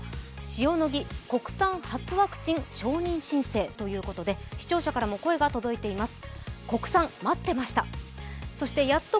塩野義、国産初ワクチン承認申請ということで、視聴者からも声が届いています。